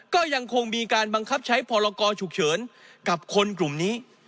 ก็ยังคงมีการบังคับใช้พรกรฉุกเฉินกับคนกลุ่มนี้